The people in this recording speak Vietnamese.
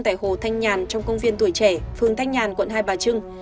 tại hồ thanh nhàn trong công viên tuổi trẻ phường thanh nhàn quận hai bà trưng